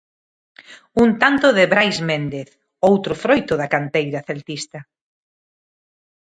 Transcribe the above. Un tanto de Brais Méndez, outro froito da canteira celtista.